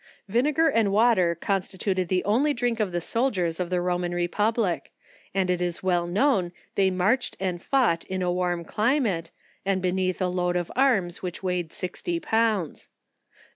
Vinegar and water con stituted the only drink of the soldiers of the Roman re public, and it is well known they marched, and fought in a warm climate, and beneath a load of arms which weigh ed sixty pounds.